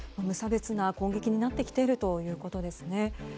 無差別な攻撃になっているということですね。